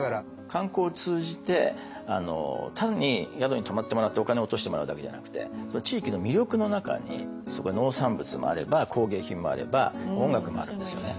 観光を通じて単に宿に泊まってもらってお金を落としてもらうだけじゃなくてその地域の魅力の中にそこの農産物もあれば工芸品もあれば音楽もあるんですよね。